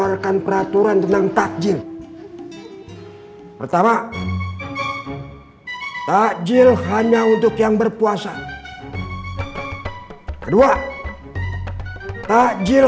mengeluarkan peraturan tentang takjil pertama takjil hanya untuk yang berpuasa kedua takjil